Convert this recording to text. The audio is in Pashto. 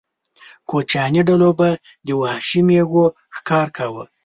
کوچیاني ډلو به د وحشي مېږو ښکار کاوه.